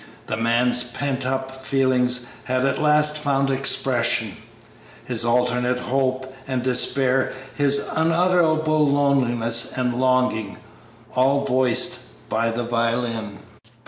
The man's pent up feelings had at last found expression, his alternate hope and despair, his unutterable loneliness and longing, all voiced by the violin.